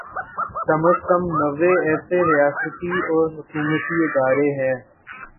کم از کم نوے ایسے ریاستی و حکومتی ادارے ہیں